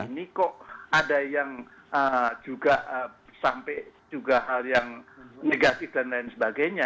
ini kok ada yang juga sampai juga hal yang negatif dan lain sebagainya